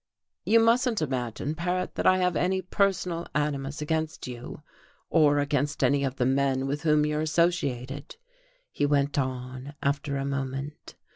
"You mustn't imagine, Paret, that I have any personal animus against you, or against any of the men with whom you're associated," he went on, after a moment.